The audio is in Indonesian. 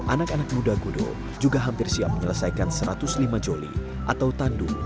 anak anak muda gudo juga hampir siap menyelesaikan satu ratus lima joli atau tandu